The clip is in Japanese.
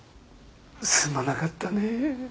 すまなかったね。